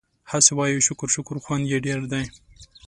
هسې وايو شکر شکر خوند يې ډېر دی